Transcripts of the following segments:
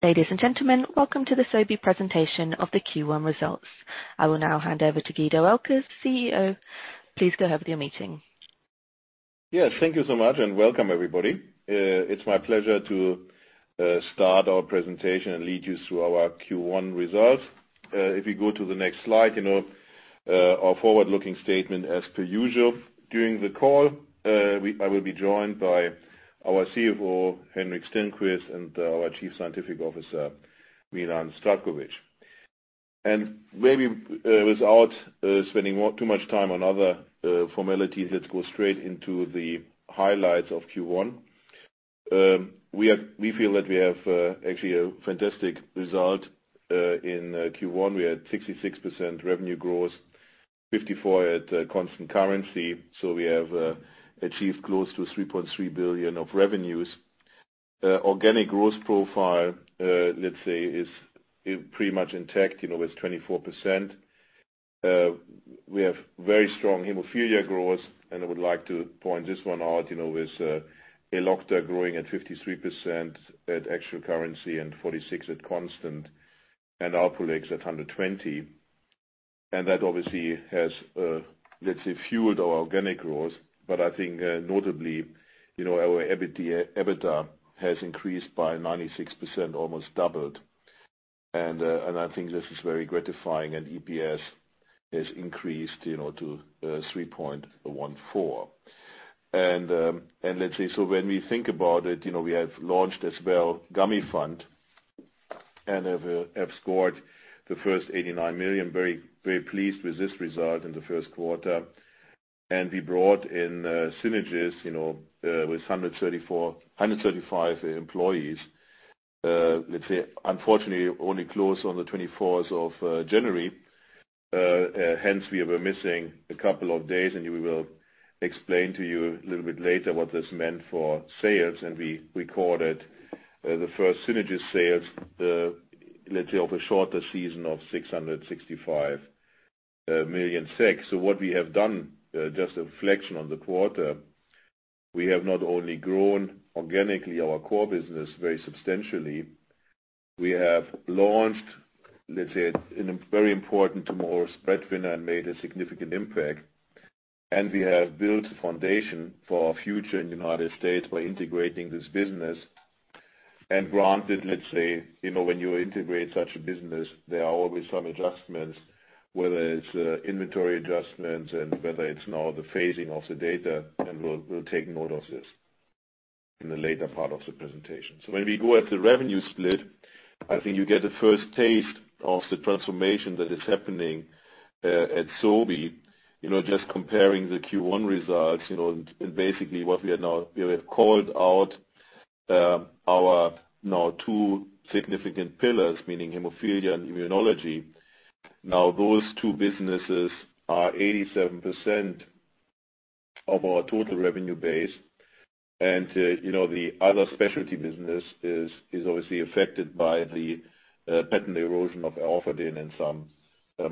Ladies and gentlemen, welcome to the Sobi presentation of the Q1 results. I will now hand over to Guido Oelkers, CEO. Please go ahead with your meeting. Yes. Thank you so much, and welcome everybody. It is my pleasure to start our presentation and lead you through our Q1 results. If you go to the next slide, you know our forward-looking statement as per usual. During the call, I will be joined by our CFO, Henrik Stenqvist, and our Chief Scientific Officer, Milan Zdravkovic. Maybe without spending too much time on other formalities, let's go straight into the highlights of Q1. We feel that we have actually a fantastic result in Q1. We had 66% revenue growth, 54% at constant currency. We have achieved close to 3.3 billion of revenues. Organic growth profile, let's say is pretty much intact, with 24%. We have very strong hemophilia growth, I would like to point this one out, with Elocta growing at 53% at actual currency and 46% at constant, and Alprolix at 120%. That obviously has, let's say, fueled our organic growth. I think notably, our EBITDA has increased by 96%, almost doubled. I think this is very gratifying. EPS has increased to 3.14. When we think about it, we have launched as well Gamifant and have scored the first 89 million. Very pleased with this result in the first quarter. We brought in Synagis with 135 employees. Let's say, unfortunately, only closed on the 24th of January. Hence, we were missing a couple of days, and we will explain to you a little bit later what this meant for sales. We recorded the first Synagis sales, let's say, of a shorter season of 665 million. What we have done, just a reflection on the quarter, we have not only grown organically our core business very substantially, we have launched, let's say, in a very important to more spread winner and made a significant impact. We have built a foundation for our future in the U.S. by integrating this business. Granted, let's say, when you integrate such a business, there are always some adjustments, whether it's inventory adjustments and whether it's now the phasing of the data, and we'll take note of this in the later part of the presentation. When we go at the revenue split, I think you get the first taste of the transformation that is happening at Sobi. Just comparing the Q1 results, and basically what we have now, we have called out our now two significant pillars, meaning hemophilia and immunology. Those two businesses are 87% of our total revenue base. The other specialty business is obviously affected by the patent erosion of Orfadin and some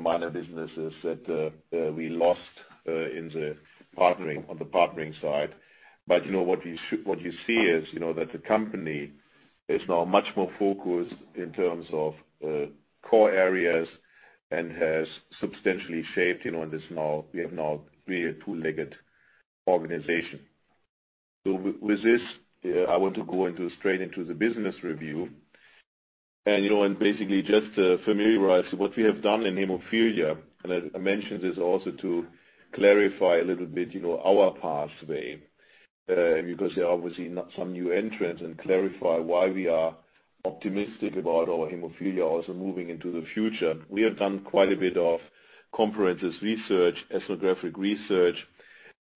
minor businesses that we lost on the partnering side. What you see is that the company is now much more focused in terms of core areas and has substantially shaped and we have now really a two-legged organization. With this, I want to go straight into the business review and basically just familiarize what we have done in hemophilia. I mentioned this also to clarify a little bit our pathway. There are obviously some new entrants and clarify why we are optimistic about our hemophilia also moving into the future. We have done quite a bit of comprehensive research, ethnographic research.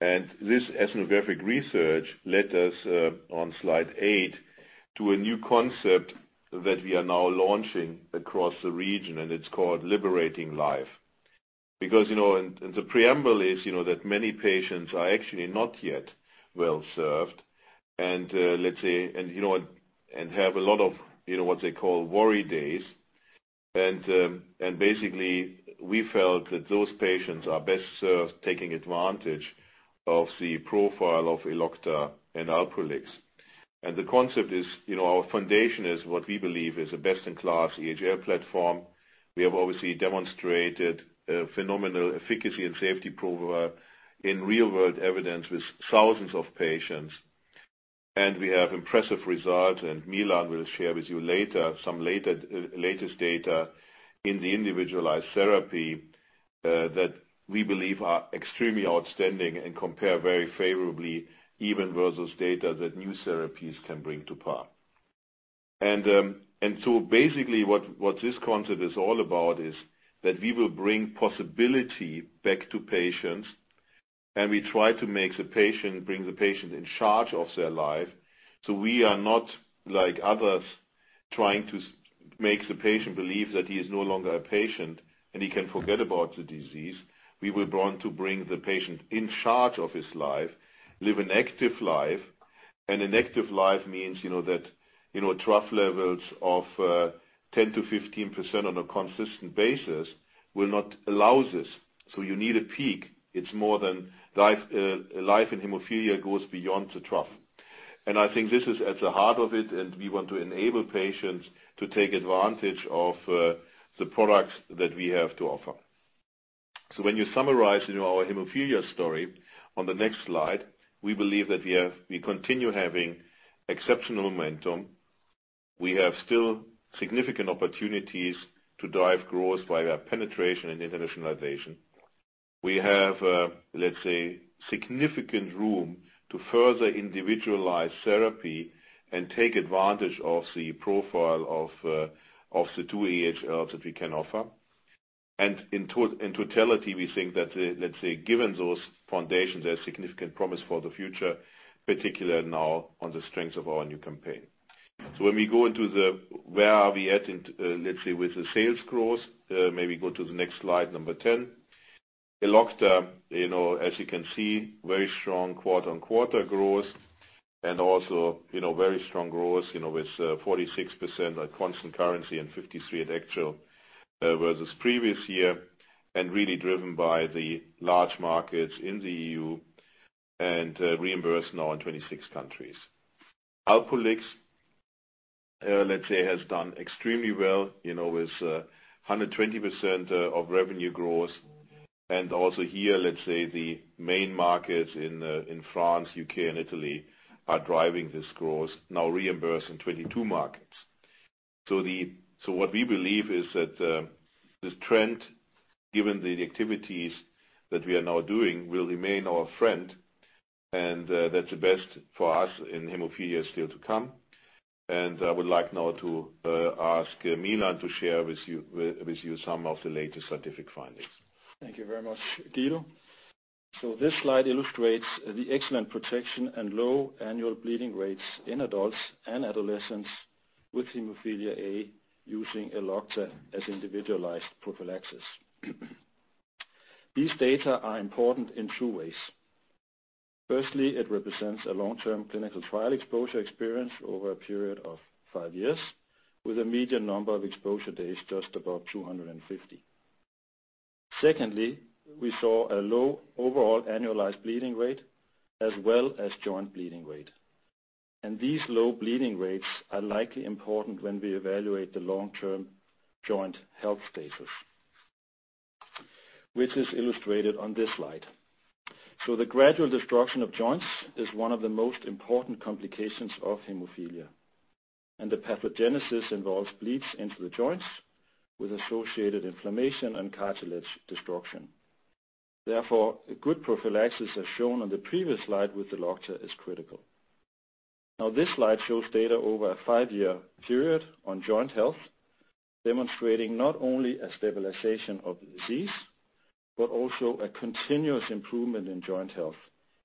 This ethnographic research led us, on slide eight, to a new concept that we are now launching across the region, and it's called Liberating Life. The preamble is that many patients are actually not yet well-served and have a lot of what they call worry days. We felt that those patients are best served taking advantage of the profile of Elocta and Alprolix. The concept is, our foundation is what we believe is a best-in-class EHL platform. We have obviously demonstrated a phenomenal efficacy and safety profile in real-world evidence with thousands of patients. We have impressive results, and Milan will share with you later some latest data in the individualized therapy, that we believe are extremely outstanding and compare very favorably even versus data that new therapies can bring to par. Basically what this concept is all about is that we will bring possibility back to patients, and we try to bring the patient in charge of their life. We are not like others trying to make the patient believe that he is no longer a patient and he can forget about the disease. We want to bring the patient in charge of his life, live an active life. An active life means that trough levels of 10 to 15% on a consistent basis will not allow this. You need a peak. It's more than life in hemophilia goes beyond the trough. I think this is at the heart of it, and we want to enable patients to take advantage of the products that we have to offer. When you summarize our hemophilia story on the next slide, we believe that we continue having exceptional momentum. We have still significant opportunities to drive growth via penetration and internationalization. We have, let's say, significant room to further individualize therapy and take advantage of the profile of the two EHLs that we can offer. In totality, we think that, let's say, given those foundations, there's significant promise for the future, particularly now on the strength of our new campaign. When we go into the where are we at, let's say, with the sales growth, maybe go to the next slide, number 10. Elocta, as you can see, very strong quarter-on-quarter growth and also very strong growth with 46% at constant currency and 53% at actual versus previous year, and really driven by the large markets in the EU and reimbursed now in 26 countries. Alprolix, let's say, has done extremely well, with 120% of revenue growth. Also here, let's say the main markets in France, U.K. and Italy are driving this growth, now reimbursed in 22 markets. What we believe is that this trend, given the activities that we are now doing, will remain our friend. That the best for us in hemophilia is still to come. I would like now to ask Milan to share with you some of the latest scientific findings. Thank you very much, Guido. This slide illustrates the excellent protection and low annual bleeding rates in adults and adolescents with hemophilia A using Elocta as individualized prophylaxis. These data are important in two ways. Firstly, it represents a long-term clinical trial exposure experience over a period of five years, with a median number of exposure days just above 250. Secondly, we saw a low overall annualized bleeding rate as well as joint bleeding rate. These low bleeding rates are likely important when we evaluate the long-term joint health status, which is illustrated on this slide. The gradual destruction of joints is one of the most important complications of hemophilia, and the pathogenesis involves bleeds into the joints with associated inflammation and cartilage destruction. Therefore, a good prophylaxis, as shown on the previous slide with Elocta, is critical. This slide shows data over a five-year period on joint health, demonstrating not only a stabilization of the disease, but also a continuous improvement in joint health,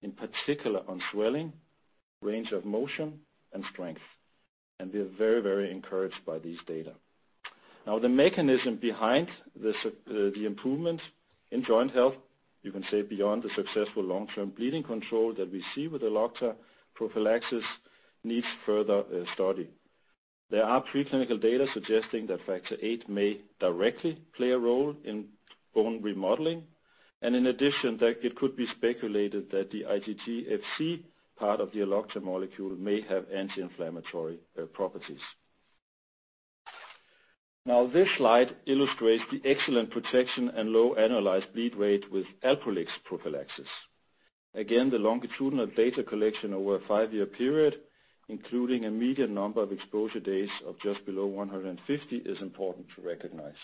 in particular on swelling, range of motion and strength. We are very encouraged by these data. The mechanism behind the improvement in joint health, you can say, beyond the successful long-term bleeding control that we see with Elocta prophylaxis needs further study. There are preclinical data suggesting that factor VIII may directly play a role in bone remodeling, and in addition, that it could be speculated that the IgG Fc part of the Elocta molecule may have anti-inflammatory properties. This slide illustrates the excellent protection and low annualized bleed rate with Alprolix prophylaxis. Again, the longitudinal data collection over a five-year period, including a median number of exposure days of just below 150, is important to recognize.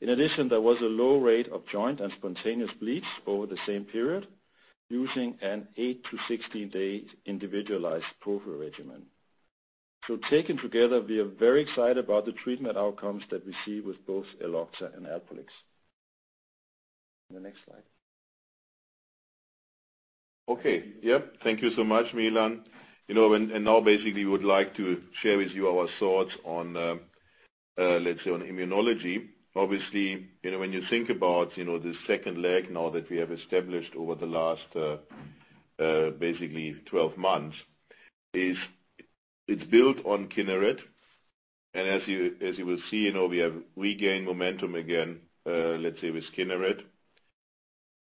In addition, there was a low rate of joint and spontaneous bleeds over the same period using an eight-16-day individualized prophylaxis regimen. Taken together, we are very excited about the treatment outcomes that we see with both Elocta and Alprolix. The next slide. Okay. Yeah, thank you so much, Milan. Now basically would like to share with you our thoughts on, let's say, on immunology. Obviously, when you think about the second leg now that we have established over the last, basically 12 months, it's built on Kineret. As you will see, we have regained momentum again, let's say with Kineret.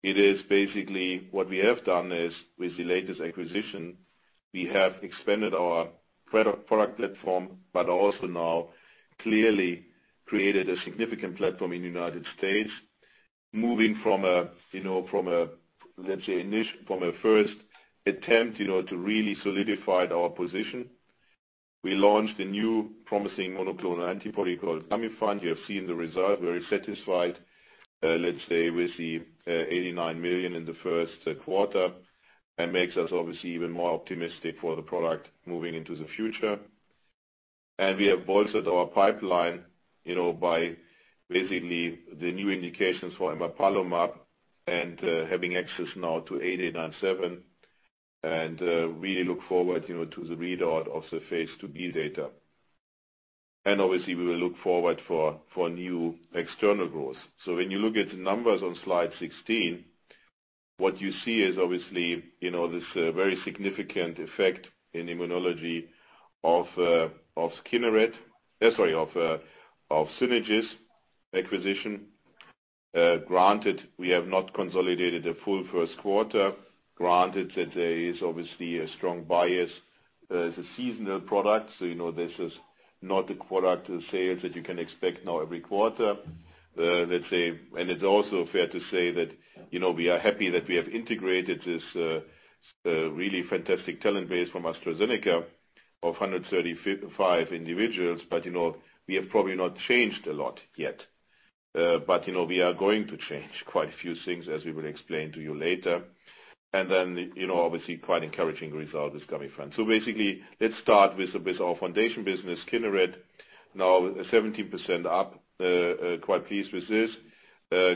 It is basically what we have done is with the latest acquisition, we have expanded our product platform, but also now clearly created a significant platform in the United States moving from a, let's say, from a first attempt to really solidified our position. We launched a new promising monoclonal antibody called Gamifant. You have seen the result. Very satisfied, let's say with the 89 million in the first quarter and makes us obviously even more optimistic for the product moving into the future. We have bolstered our pipeline by basically the new indications for emapalumab and having access now to MEDI8897 and really look forward to the readout of the phase II-B data. Obviously we will look forward for new external growth. When you look at the numbers on slide 16. What you see is obviously this very significant effect in immunology of Synagis acquisition. Granted, we have not consolidated a full first quarter. Granted, that there is obviously a strong bias. It's a seasonal product, so this is not a product sales that you can expect now every quarter, let's say. It's also fair to say that we are happy that we have integrated this really fantastic talent base from AstraZeneca of 135 individuals. We have probably not changed a lot yet. We are going to change quite a few things, as we will explain to you later. Obviously, quite encouraging result is Gamifant. Basically let's start with our foundation business, Kineret, now 70% up, quite pleased with this.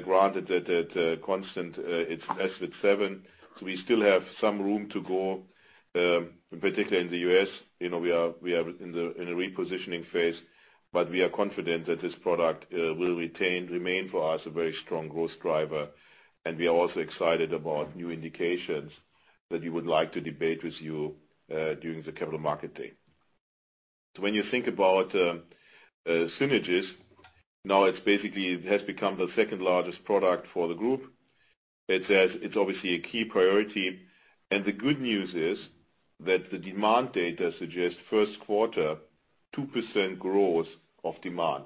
Granted that at constant it's less than seven, so we still have some room to go, particularly in the U.S. We are in the repositioning phase. We are confident that this product will remain for us a very strong growth driver, and we are also excited about new indications that we would like to debate with you during the Capital Market Day. When you think about Synagis, now it basically has become the second largest product for the group. It's obviously a key priority. The good news is that the demand data suggests first quarter 2% growth of demand.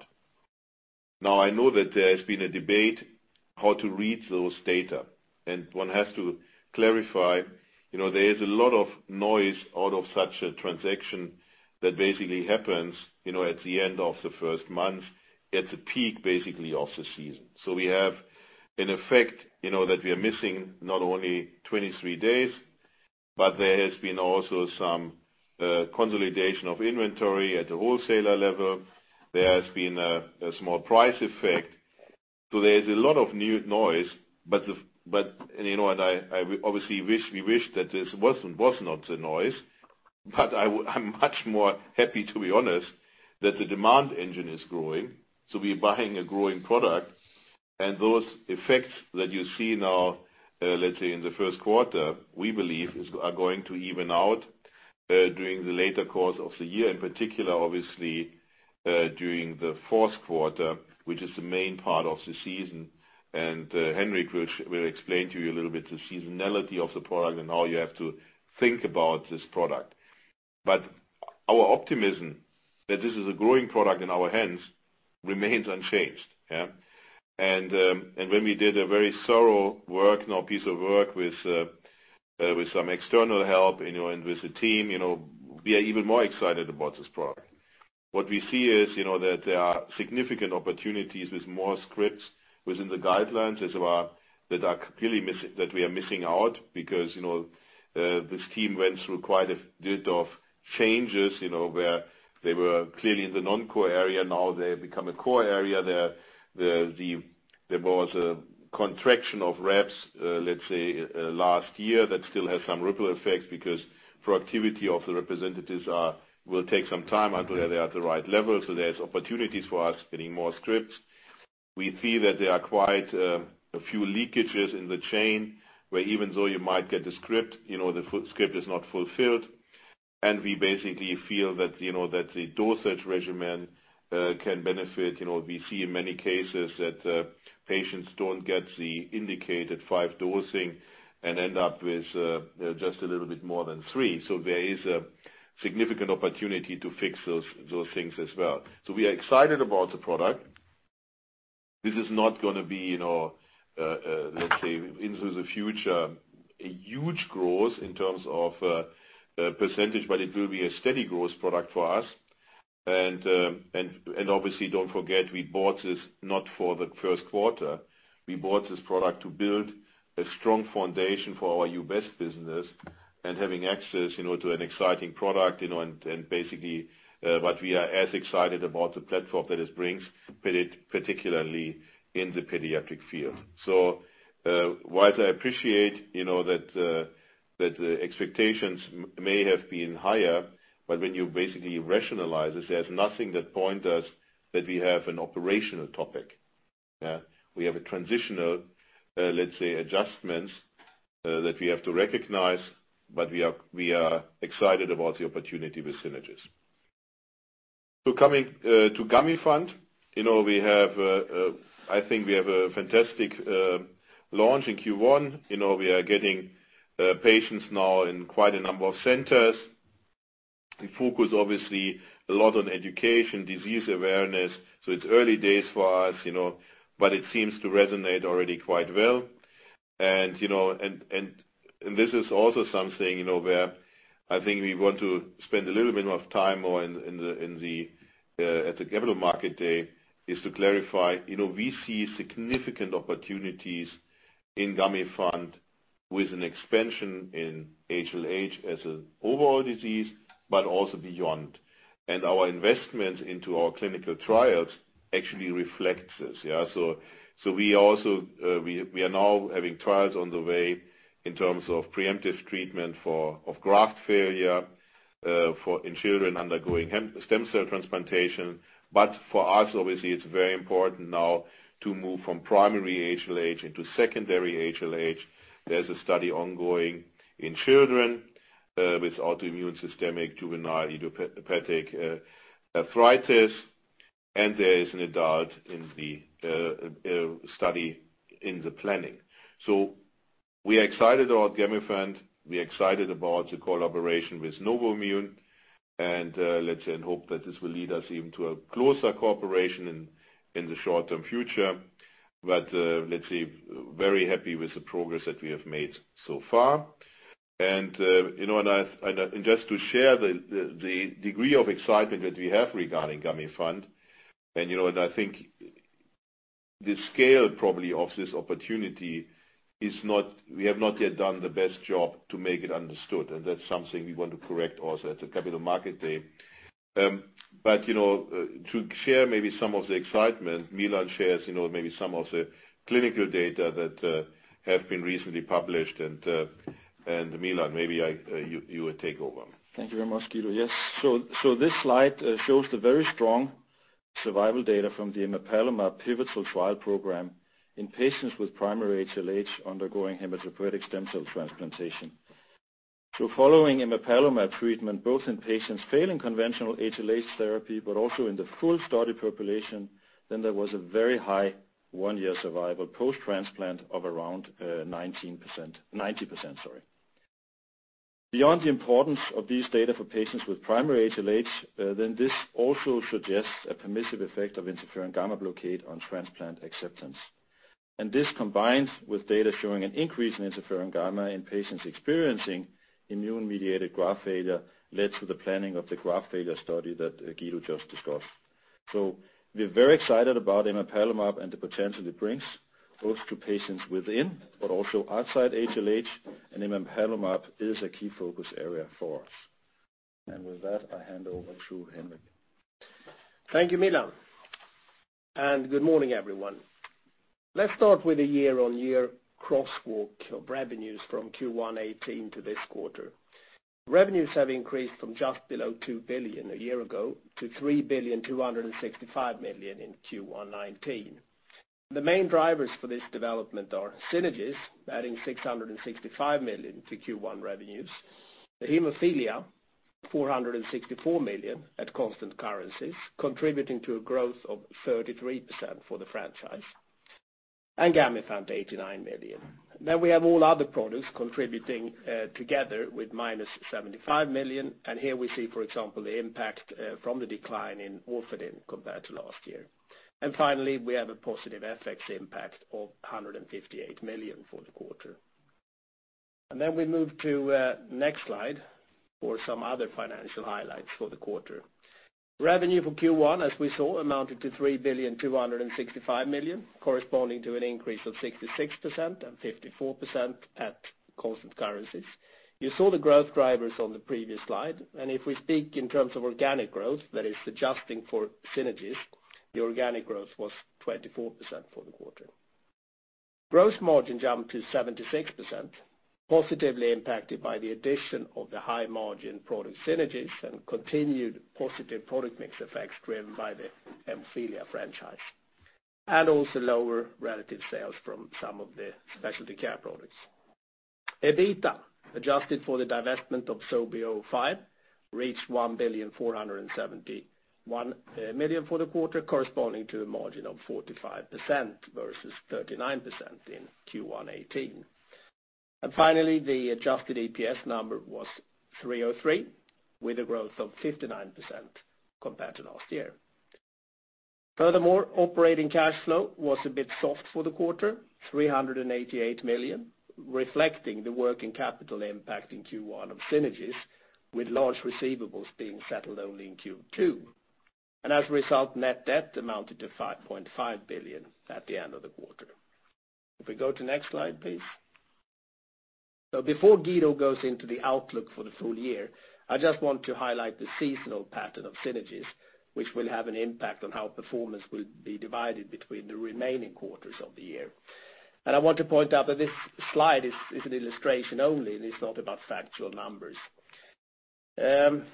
I know that there has been a debate how to read those data, and one has to clarify. There is a lot of noise out of such a transaction that basically happens at the end of the first month, at the peak, basically, of the season. We have an effect that we are missing not only 23 days, there has been also some consolidation of inventory at the wholesaler level. There has been a small price effect. There is a lot of new noise. We obviously wish that this was not the noise, I'm much more happy to be honest, that the demand engine is growing. We're buying a growing product, those effects that you see now, let's say in the first quarter, we believe are going to even out during the later course of the year, in particular, obviously, during the fourth quarter, which is the main part of the season. Henrik will explain to you a little bit the seasonality of the product and how you have to think about this product. Our optimism that this is a growing product in our hands remains unchanged. When we did a very thorough piece of work with some external help and with the team, we are even more excited about this product. What we see is that there are significant opportunities with more scripts within the guidelines that we are missing out because this team went through quite a bit of changes, where they were clearly in the non-core area. They have become a core area. There was a contraction of reps, let's say, last year that still has some ripple effects because productivity of the representatives will take some time until they are at the right level. There's opportunities for us getting more scripts. We see that there are quite a few leakages in the chain where even though you might get the script, the script is not fulfilled. We basically feel that the dosage regimen can benefit. We see in many cases that patients don't get the indicated five dosing and end up with just a little bit more than three. There is a significant opportunity to fix those things as well. We are excited about the product. This is not going to be into the future, a huge growth in terms of percentage, it will be a steady growth product for us. Obviously, don't forget, we bought this not for the first quarter. We bought this product to build a strong foundation for our U.S. business and having access to an exciting product. Basically, what we are as excited about the platform that it brings, particularly in the pediatric field. Whilst I appreciate that the expectations may have been higher, when you basically rationalize this, there's nothing that point us that we have an operational topic. We have a transitional, let's say, adjustments that we have to recognize. We are excited about the opportunity with Synagis. Coming to Gamifant, I think we have a fantastic launch in Q1. We are getting patients now in quite a number of centers. We focus obviously a lot on education, disease awareness. It's early days for us, it seems to resonate already quite well. This is also something where I think we want to spend a little bit of time more at the Capital Market Day, is to clarify we see significant opportunities in Gamifant with an expansion in HLH as an overall disease, also beyond. Our investment into our clinical trials actually reflects this. We are now having trials on the way in terms of preemptive treatment of graft failure in children undergoing stem cell transplantation. For us, obviously, it's very important now to move from primary HLH into secondary HLH. There's a study ongoing in children with autoimmune systemic juvenile idiopathic arthritis. There is an adult in the study in the planning. We are excited about Gamifant. We are excited about the collaboration with NovImmune. Let's then hope that this will lead us even to a closer cooperation in the short-term future. Let's see, very happy with the progress that we have made so far. Just to share the degree of excitement that we have regarding Gamifant, I think the scale probably of this opportunity is we have not yet done the best job to make it understood, and that's something we want to correct also at the Capital Market Day. To share maybe some of the excitement, Milan shares maybe some of the clinical data that have been recently published and, Milan, maybe you take over. Thank you very much, Guido. Yes. This slide shows the very strong survival data from the emapalumab pivotal trial program in patients with primary HLH undergoing hematopoietic stem cell transplantation. Following emapalumab treatment, both in patients failing conventional HLH therapy, but also in the full study population, there was a very high one-year survival post-transplant of around 90%, sorry. Beyond the importance of these data for patients with primary HLH, this also suggests a permissive effect of interferon gamma blockade on transplant acceptance. This combines with data showing an increase in interferon gamma in patients experiencing immune-mediated graft failure led to the planning of the graft failure study that Guido just discussed. We are very excited about emapalumab and the potential it brings both to patients within, but also outside HLH, and emapalumab is a key focus area for us. With that, I hand over to Henrik. Thank you, Milan. Good morning, everyone. Let's start with a year-over-year crosswalk of revenues from Q1 2018 to this quarter. Revenues have increased from just below 2 billion a year ago to 3,265 million in Q1 2019. The main drivers for this development are Synagis adding 665 million to Q1 revenues. The hemophilia, 464 million at constant currencies, contributing to a growth of 33% for the franchise. Gamifant, 89 million. We have all other products contributing, together with -75 million, and here we see, for example, the impact from the decline in Orfadin compared to last year. Finally, we have a positive FX impact of 158 million for the quarter. Then we move to the next slide for some other financial highlights for the quarter. Revenue for Q1, as we saw, amounted to 3 billion 265 million, corresponding to an increase of 66% and 54% at constant currencies. You saw the growth drivers on the previous slide. If we speak in terms of organic growth, that is adjusting for Synagis, the organic growth was 24% for the quarter. Gross margin jumped to 76%, positively impacted by the addition of the high-margin product Synagis and continued positive product mix effects driven by the hemophilia franchise, also lower relative sales from some of the specialty care products. EBITDA, adjusted for the divestment of SOBI005, reached 1 billion 471 million for the quarter, corresponding to a margin of 45% versus 39% in Q1 2018. Finally, the adjusted EPS number was 303, with a growth of 59% compared to last year. Furthermore, operating cash flow was a bit soft for the quarter, 388 million, reflecting the working capital impact in Q1 of Synagis with large receivables being settled only in Q2. As a result, net debt amounted to 5.5 billion at the end of the quarter. If we go to next slide, please. Before Guido goes into the outlook for the full year, I just want to highlight the seasonal pattern of Synagis, which will have an impact on how performance will be divided between the remaining quarters of the year. I want to point out that this slide is an illustration only, and it is not about factual numbers.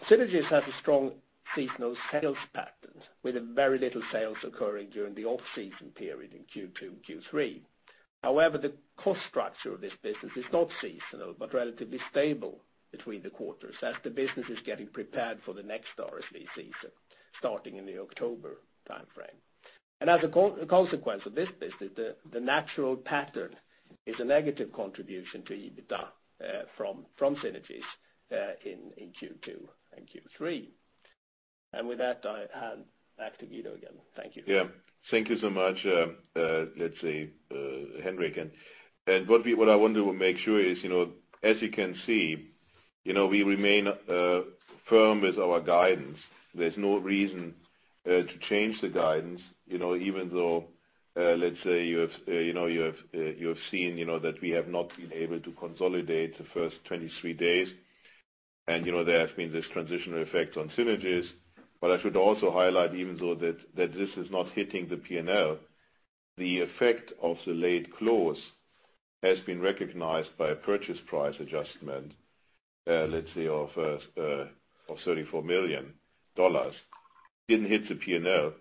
Synagis has a strong seasonal sales pattern with very little sales occurring during the off-season period in Q2 and Q3. However, the cost structure of this business is not seasonal, but relatively stable between the quarters as the business is getting prepared for the next RSV season starting in the October timeframe. As a consequence of this business, the natural pattern is a negative contribution to EBITDA from Synagis in Q2 and Q3. With that, I hand back to Guido again. Thank you. Thank you so much, let's see, Henrik. What I want to make sure is, as you can see, we remain firm with our guidance. There is no reason to change the guidance, even though, let's say, you have seen that we have not been able to consolidate the first 23 days. There has been this transitional effect on Synagis. I should also highlight even though that this is not hitting the P&L. The effect of the late clause has been recognized by a purchase price adjustment, let's say of $34 million. It did not hit the P&L,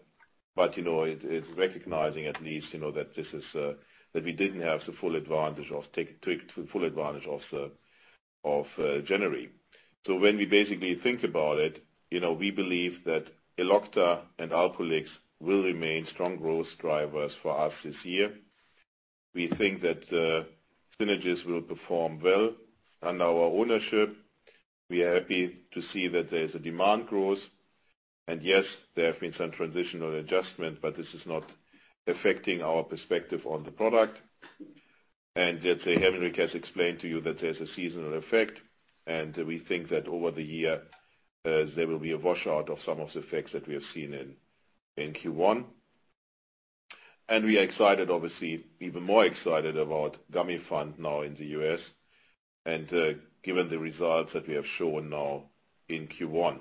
but it is recognizing at least that we did not have to take full advantage of January. When we basically think about it, we believe that Elocta and Alprolix will remain strong growth drivers for us this year. We think that the Synagis will perform well under our ownership. We are happy to see that there is a demand growth. Yes, there have been some transitional adjustment, but this is not affecting our perspective on the product. Let's say, Henrik has explained to you that there's a seasonal effect, and we think that over the year, there will be a wash out of some of the effects that we have seen in Q1. We are excited, obviously, even more excited about Gamifant now in the U.S., and given the results that we have shown now in Q1.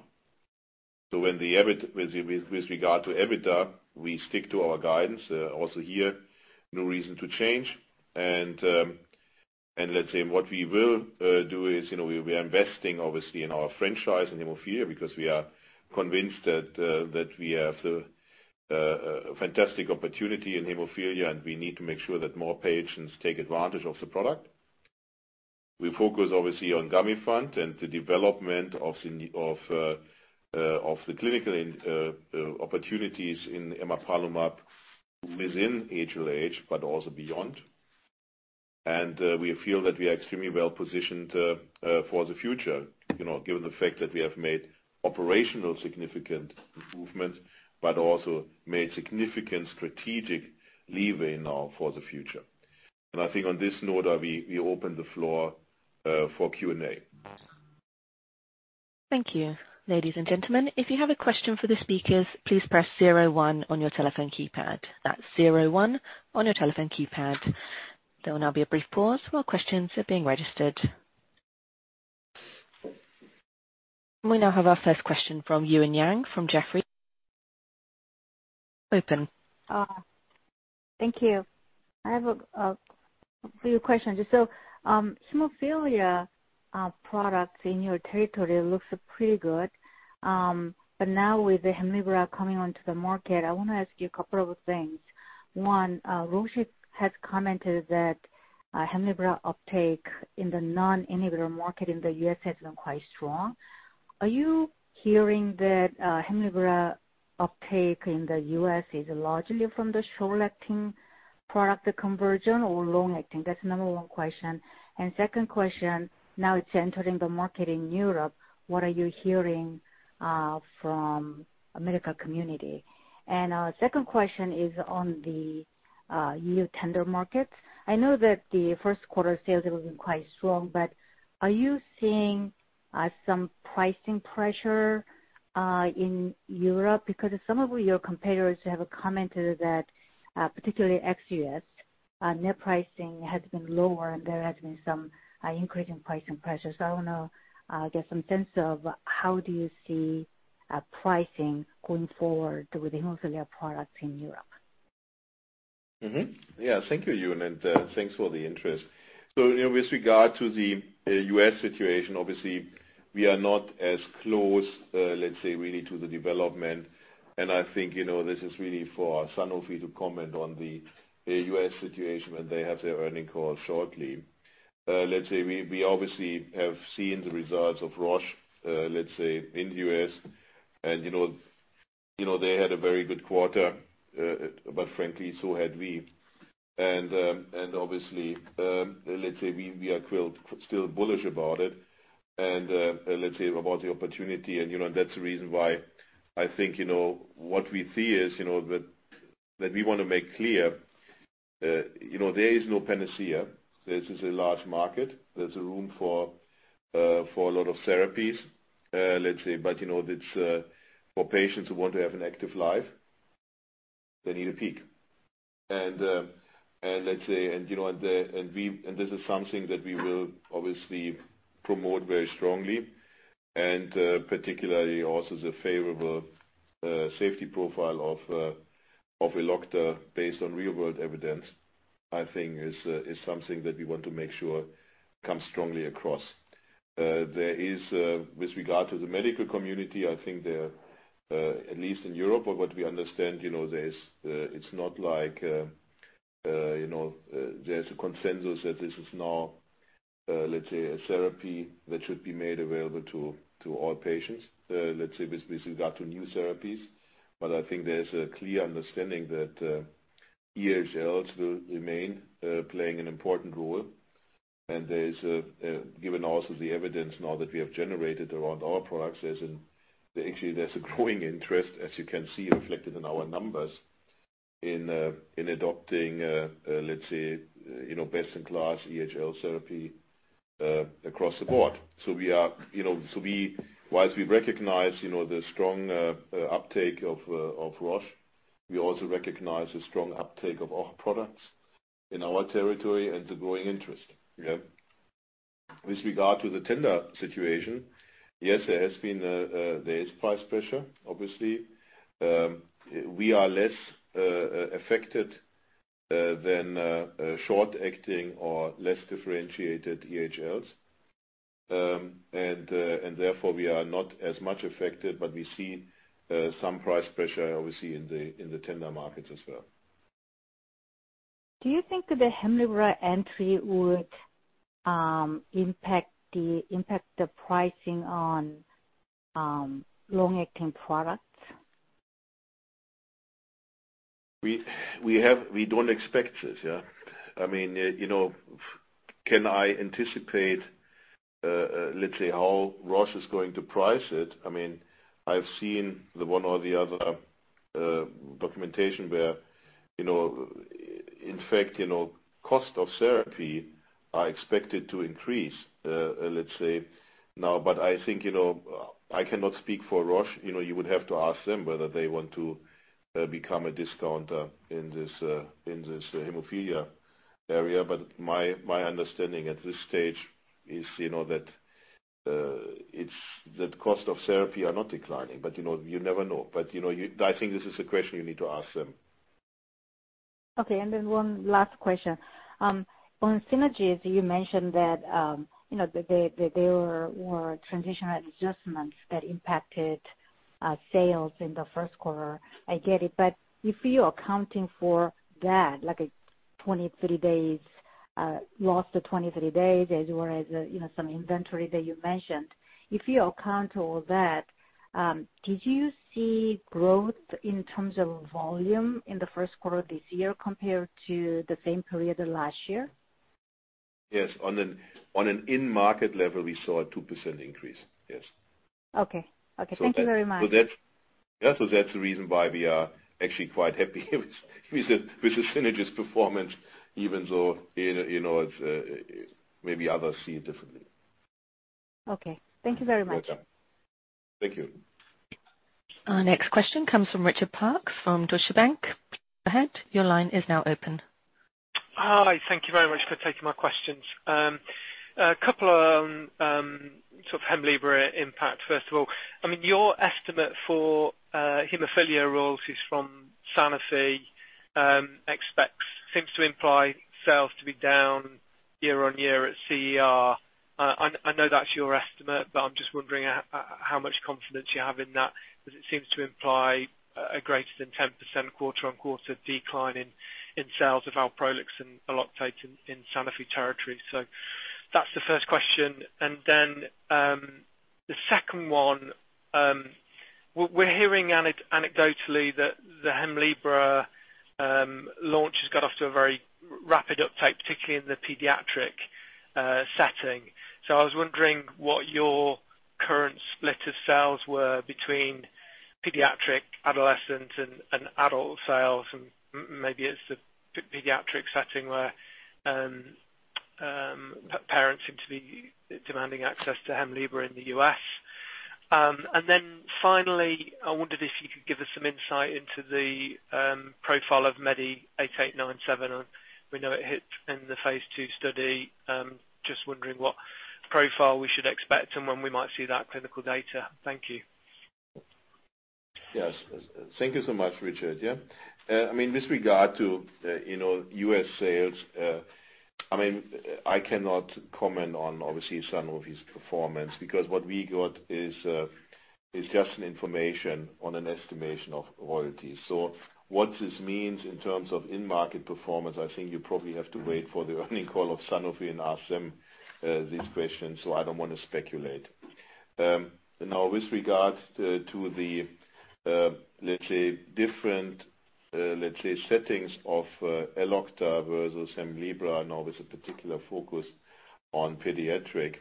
With regard to EBITDA, we stick to our guidance. Also here, no reason to change. Let's say what we will do is we're investing obviously in our franchise in hemophilia because we are convinced that we have a fantastic opportunity in hemophilia and we need to make sure that more patients take advantage of the product. We focus obviously on Gamifant and the development of the clinical opportunities in emapalumab within HLH but also beyond. We feel that we are extremely well-positioned for the future, given the fact that we have made operational significant improvements, but also made significant strategic leeway now for the future. I think on this note, we open the floor for Q&A. Thank you. Ladies and gentlemen, if you have a question for the speakers, please press zero one on your telephone keypad. That's zero one on your telephone keypad. There will now be a brief pause while questions are being registered. We now have our first question from Eun Yang from Jefferies. Open. Thank you. I have a few questions. Hemophilia products in your territory looks pretty good. Now with the Hemlibra coming onto the market, I want to ask you a couple of things. One, Roche has commented that Hemlibra uptake in the non-inhibitor market in the U.S. has been quite strong. Are you hearing that Hemlibra uptake in the U.S. is largely from the short-acting product, the conversion or long-acting? That's number one question. Second question, now it's entering the market in Europe, what are you hearing from medical community? Our second question is on the new tender market. I know that the first quarter sales have been quite strong, but are you seeing some pricing pressure in Europe? Because some of your competitors have commented that, particularly ex-U.S., net pricing has been lower, and there has been some increasing pricing pressures. I want to get some sense of how do you see pricing going forward with the hemophilia products in Europe. Thank you, Eun, and thanks for the interest. With regard to the U.S. situation, obviously, we are not as close, really to the development. I think, this is really for Sanofi to comment on the U.S. situation when they have their earning call shortly. We obviously have seen the results of Roche, in the U.S. and they had a very good quarter. Frankly, so had we. Obviously, we are still bullish about it and about the opportunity and that's the reason why I think what we see is that we want to make clear, there is no panacea. This is a large market. There's a room for a lot of therapies. For patients who want to have an active life, they need a peak. This is something that we will obviously promote very strongly and, particularly also the favorable safety profile of Elocta based on real-world evidence, I think is something that we want to make sure comes strongly across. There is, with regard to the medical community, I think there, at least in Europe or what we understand, it's not like there's a consensus that this is now, a therapy that should be made available to all patients, with regard to new therapies. I think there's a clear understanding that EHLs will remain playing an important role. There is, given also the evidence now that we have generated around our products, actually there's a growing interest as you can see reflected in our numbers in adopting, best in class EHL therapy across the board. Whilst we recognize the strong uptake of Roche, we also recognize the strong uptake of our products in our territory and the growing interest. With regard to the tender situation, yes, there is price pressure, obviously. We are less affected than short-acting or less differentiated EHLs. Therefore we are not as much affected, we see some price pressure, obviously in the tender markets as well. Do you think that the Hemlibra entry would impact the pricing on long-acting products? We don't expect this. Can I anticipate, let's say, how Roche is going to price it? I've seen the one or the other documentation where, in fact, cost of therapy are expected to increase, let's say now. I think, I cannot speak for Roche. You would have to ask them whether they want to become a discounter in this hemophilia area. My understanding at this stage is that the cost of therapy are not declining. You never know. I think this is a question you need to ask them. Okay, one last question. On Synagis, you mentioned that there were transitional adjustments that impacted sales in the first quarter. I get it. If you're accounting for that, like a loss of 20, 30 days as well as some inventory that you mentioned. If you account all that, did you see growth in terms of volume in the first quarter this year compared to the same period last year? Yes. On an in-market level, we saw a 2% increase. Yes. Okay. Thank you very much. That's the reason why we are actually quite happy with the Synagis performance, even though maybe others see it differently. Okay. Thank you very much. You're welcome. Thank you. Our next question comes from Richard Parkes from Deutsche Bank. Go ahead, your line is now open. Hi. Thank you very much for taking my questions. A couple on Hemlibra impact, first of all. Your estimate for hemophilia royalties from Sanofi expects, seems to imply sales to be down year-on-year at CER. I know that's your estimate, but I'm just wondering how much confidence you have in that, because it seems to imply a greater than 10% quarter-on-quarter decline in sales of Alprolix and ELOCTATE in Sanofi territory. That's the first question. The second one. We're hearing anecdotally that the Hemlibra launch has got off to a very rapid uptake, particularly in the pediatric setting. I was wondering what your current split of sales were between pediatric, adolescent, and adult sales, and maybe it's the pediatric setting where parents seem to be demanding access to Hemlibra in the U.S. Finally, I wondered if you could give us some insight into the profile of MEDI8897. We know it hit in the phase II study. Just wondering what profile we should expect and when we might see that clinical data. Thank you. Yes. Thank you so much, Richard. With regard to U.S. sales, I cannot comment on, obviously, Sanofi's performance, because what we got is just an information on an estimation of royalties. What this means in terms of in-market performance, I think you probably have to wait for the earning call of Sanofi and ask them these questions. I don't want to speculate. With regards to the, let's say, different settings of Elocta versus Hemlibra, now with a particular focus on pediatric.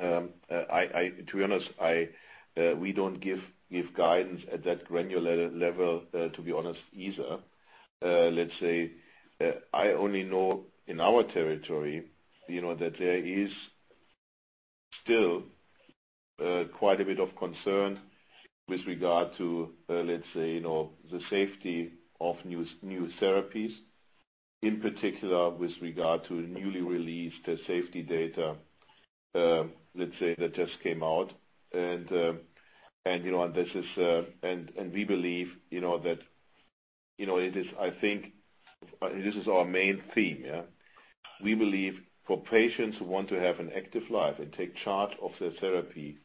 To be honest, we don't give guidance at that granular level to be honest either. Let's say I only know in our territory that there is still quite a bit of concern with regard to the safety of new therapies, in particular with regard to newly released safety data that just came out. We believe that this is our main theme. We believe for patients who want to have an active life and take charge of their therapy,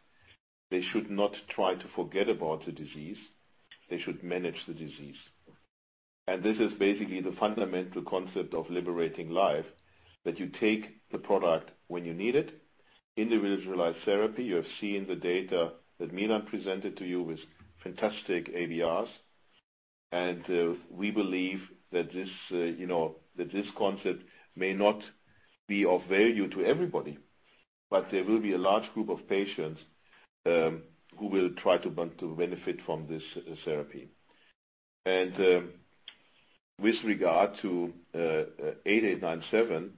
they should not try to forget about the disease. They should manage the disease. This is basically the fundamental concept of Liberating Life, that you take the product when you need it. Individualized therapy. You have seen the data that Milan presented to you with fantastic ABRs. We believe that this concept may not be of value to everybody, but there will be a large group of patients who will try to benefit from this therapy. With regard to 8897,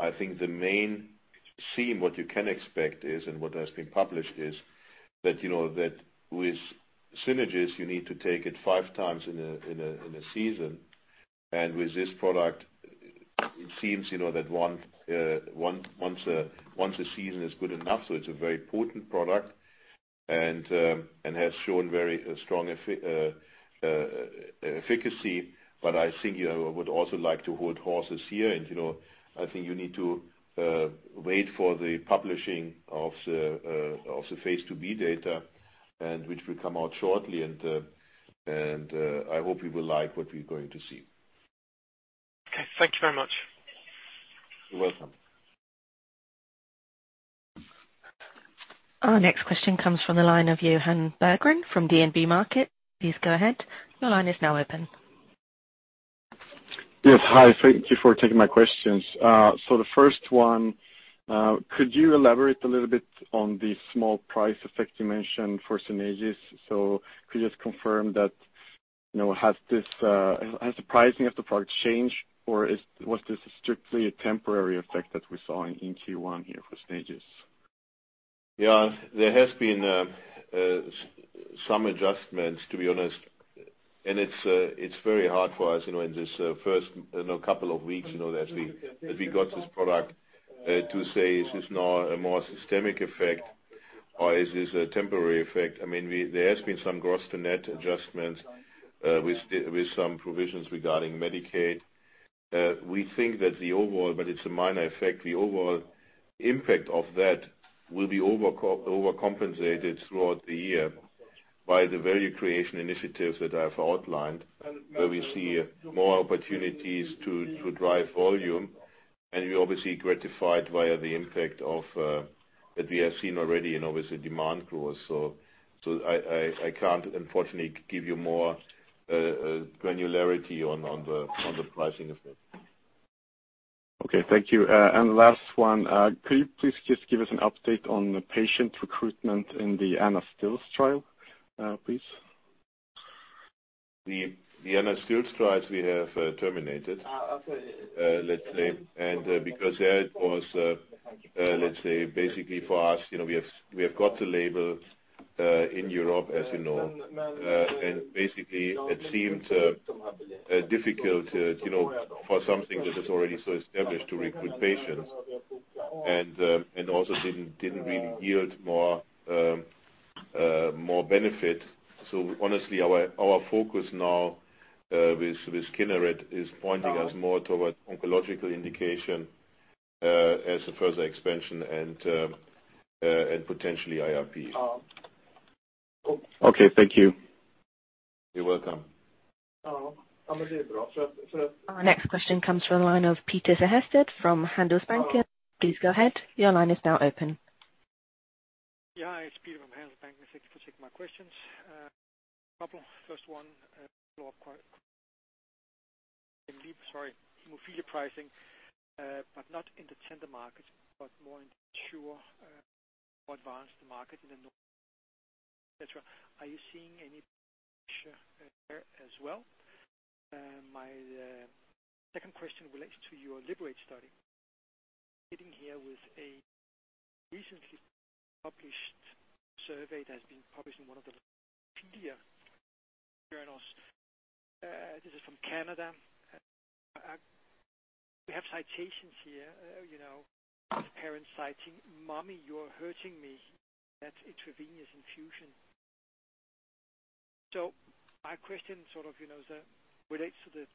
I think the main theme, what you can expect is, and what has been published is that with Synagis, you need to take it 5 times in a season. With this product, it seems that one a season is good enough. It's a very potent product, and has shown very strong efficacy. I think I would also like to hold horses here, and I think you need to wait for the publishing of the phase II-B data, and which will come out shortly. I hope you will like what we're going to see. Thank you very much. You're welcome. Our next question comes from the line of Johan Berggren from DNB Markets. Please go ahead. Your line is now open. Yes. Hi. Thank you for taking my questions. The first one, could you elaborate a little bit on the small price effect you mentioned for Synagis? Could you just confirm that, has the pricing of the product changed, or was this strictly a temporary effect that we saw in Q1 here for Synagis? Yeah. There has been some adjustments, to be honest. It's very hard for us, in this first couple of weeks, that we got this product to say this is now a more systemic effect or is this a temporary effect. There has been some gross-to-net adjustments, with some provisions regarding Medicaid. We think that the overall, but it's a minor effect, the overall impact of that will be overcompensated throughout the year by the value creation initiatives that I've outlined, where we see more opportunities to drive volume. We're obviously gratified via the impact that we have seen already in obviously demand growth. I can't unfortunately give you more granularity on the pricing effect. Okay. Thank you. Last one. Could you please just give us an update on the patient recruitment in the anaSTILLs trial, please? The anaSTILLs trials we have terminated. Okay. There it was, basically for us, we have got the label in Europe, as you know. Basically, it seemed difficult for something that is already so established to recruit patients. Also didn't really yield more benefit. Honestly, our focus now with Kineret is pointing us more towards oncological indication as a further expansion and potentially IRP. Okay. Thank you. You're welcome. Our next question comes from the line of Peter Sehested from Handelsbanken. Please go ahead. Your line is now open. Yeah. Hi, it's Peter from Handelsbanken. Thank you for taking my questions. A couple. First one, follow-up, sorry, hemophilia pricing, but not in the tender market, but more in mature, more advanced market in the Nordics, et cetera. Are you seeing any pressure there as well? My second question relates to your Liberate study. Sitting here with a recently published survey that has been published in one of the leading pediatrics journals. This is from Canada. We have citations here, the parents citing, "Mommy, you're hurting me," at intravenous infusion. My question sort of relates to the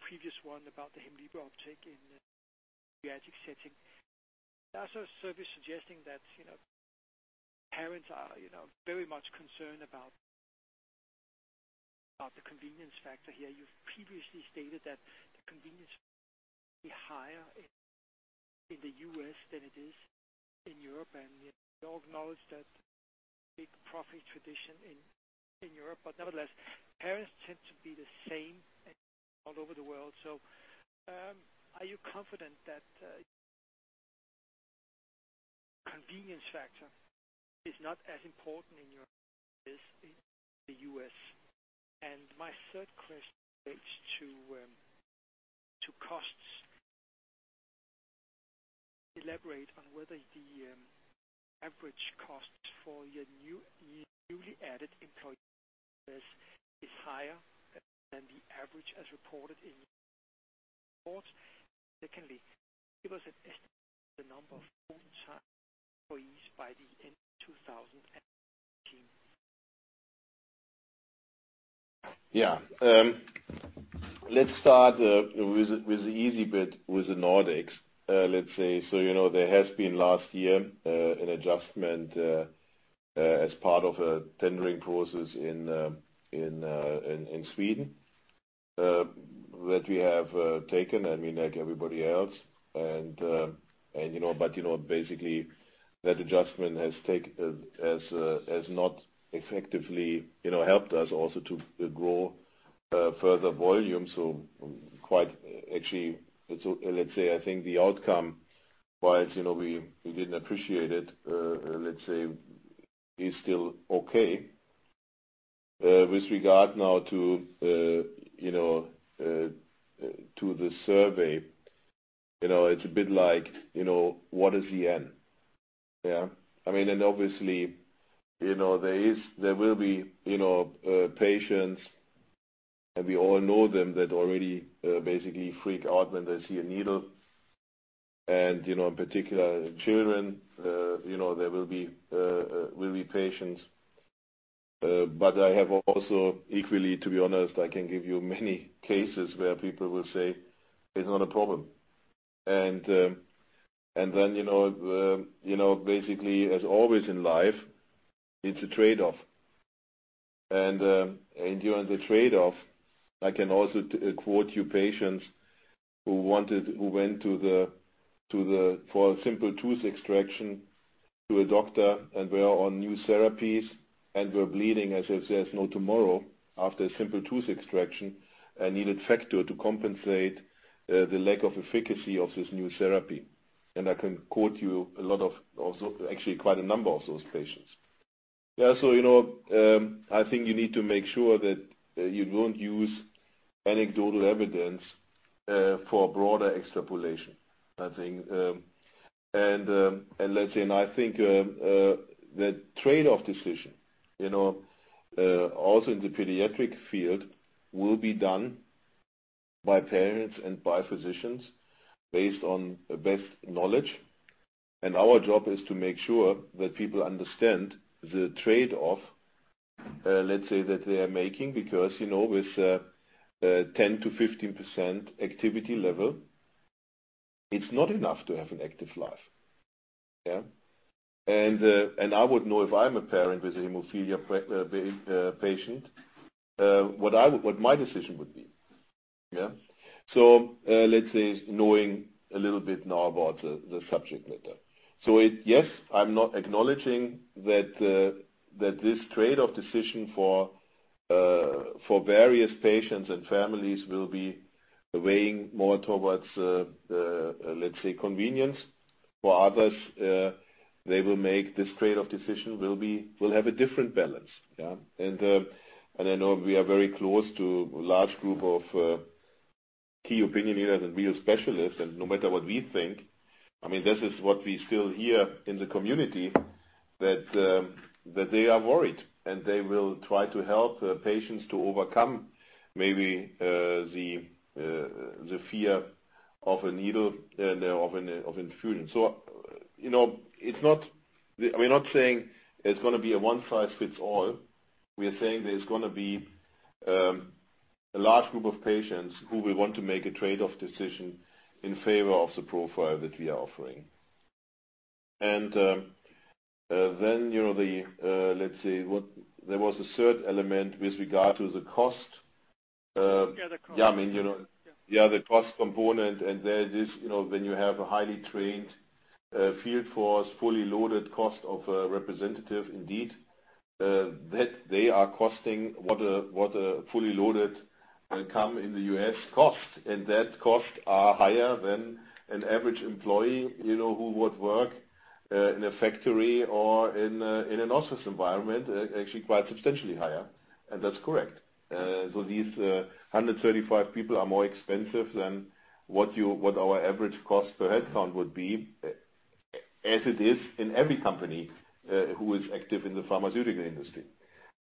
previous one about the hemophilia uptake in the pediatric setting. There are surveys suggesting that parents are very much concerned about the convenience factor here. You've previously stated that the convenience factor is higher in the U.S. than it is in Europe. We all acknowledge that big profit tradition in Europe. Nevertheless, parents tend to be the same all over the world. Are you confident that convenience factor is not as important in Europe as in the U.S.? My third question relates to costs. Could you elaborate on whether the average cost for your newly added employees is higher than the average as reported in your fourth? Secondly, give us an estimate of the number of full-time employees by the end of 2019. Yeah. Let's start with the easy bit, with the Nordics. Let's say, you know there has been last year an adjustment as part of a tendering process in Sweden that we have taken, like everybody else. Basically, that adjustment has not effectively helped us also to grow further volume. Quite actually, let's say I think the outcome, whilst we didn't appreciate it, let's say is still okay. With regard now to the survey, it's a bit like, what is the end? Yeah. Obviously, there will be patients, and we all know them, that already basically freak out when they see a needle. In particular children, there will be patients. I have also equally, to be honest, I can give you many cases where people will say, "It's not a problem." Then basically, as always in life, it's a trade-off. During the trade-off, I can also quote you patients who went for a simple tooth extraction to a doctor and were on new therapies and were bleeding as if there's no tomorrow after a simple tooth extraction and needed factor to compensate the lack of efficacy of this new therapy. I can quote you actually quite a number of those patients. I think you need to make sure that you don't use anecdotal evidence for a broader extrapolation, I think. Let's say, I think the trade-off decision, also in the pediatric field, will be done by parents and by physicians based on the best knowledge. Our job is to make sure that people understand the trade-off, let's say, that they are making, because with 10%-15% activity level, it's not enough to have an active life. Yeah. I would know if I'm a parent with a hemophilia patient what my decision would be. Yeah. Let's say knowing a little bit now about the subject matter. Yes, I'm not acknowledging that this trade-off decision for various patients and families will be weighing more towards, let's say, convenience. For others, they will make this trade-off decision will have a different balance. Yeah. I know we are very close to a large group of key opinion leaders and real specialists, and no matter what we think, this is what we still hear in the community, that they are worried. They will try to help patients to overcome maybe the fear of a needle and of infusion. We're not saying it's going to be a one-size-fits-all. We are saying there's going to be a large group of patients who will want to make a trade-off decision in favor of the profile that we are offering. Then, let's say, there was a third element with regard to the cost. Yeah, the cost. Yeah, the cost component. There it is, when you have a highly trained field force, fully loaded cost of a representative, indeed, that they are costing what a fully loaded income in the U.S. costs. That cost are higher than an average employee who would work in a factory or in an office environment, actually quite substantially higher. That's correct. These 135 people are more expensive than what our average cost per headcount would be, as it is in every company who is active in the pharmaceutical industry.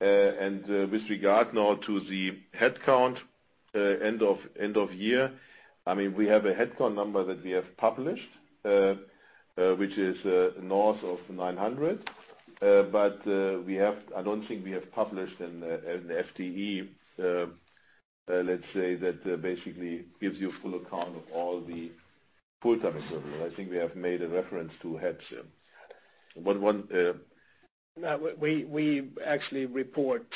With regard now to the headcount end of year, we have a headcount number that we have published, which is north of 900. I don't think we have published an FTE, let's say, that basically gives you full account of all the full-time equivalent. I think we have made a reference to heads. No, we actually report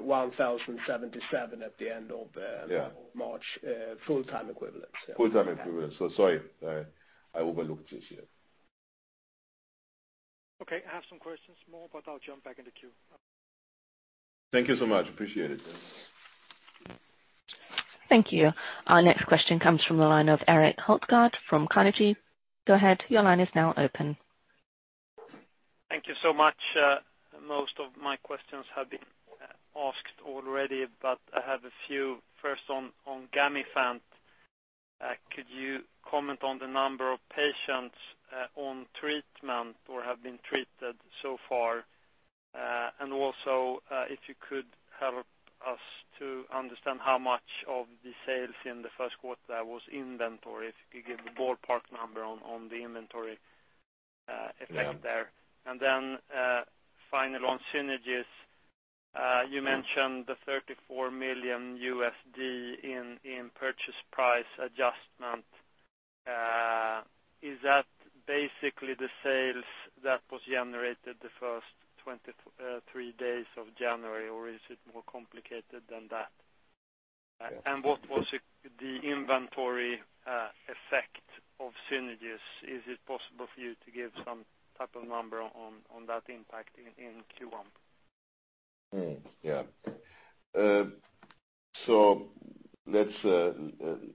1,077 at the end of. Yeah March, full-time equivalents. Full-time equivalents. Sorry, I overlooked this here. Okay. I have some questions more, but I'll jump back in the queue. Thank you so much. Appreciate it. Thank you. Our next question comes from the line of Erik Hultgård from Carnegie. Go ahead, your line is now open. Thank you so much. Most of my questions have been asked already, but I have a few. First, on Gamifant. Could you comment on the number of patients on treatment or have been treated so far? Also, if you could help us to understand how much of the sales in the first quarter was inventory. If you could give a ballpark number on the inventory effect there. Yeah. Finally on Synagis. You mentioned the $34 million USD in purchase price adjustment. Is that basically the sales that was generated the first 23 days of January, or is it more complicated than that? Yeah. What was the inventory effect of Synagis? Is it possible for you to give some type of number on that impact in Q1? Erik,